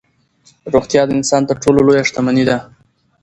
روغتیا د انسان تر ټولو لویه شتمني ده.